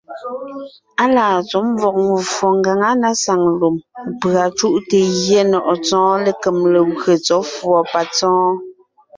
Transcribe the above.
Á laa tsɔ̌ mvɔ̀g mvfò ngaŋá na saŋ lùm, pʉ̀a cúʼte gyɛ́ nɔ̀ʼɔ Tsɔ́ɔn lékem legwé tsɔ̌ fʉ̀ɔ patsɔ́ɔn.